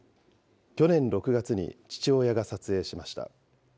去年６月に父親が撮影しました。